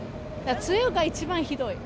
梅雨が一番ひどい。